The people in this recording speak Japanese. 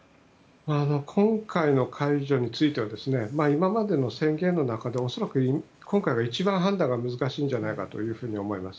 今回の解除については今までの宣言の中で恐らく今回が一番判断が難しいんじゃないかと思います。